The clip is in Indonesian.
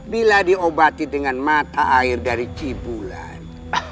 bila diobati dengan mata air dari cibulan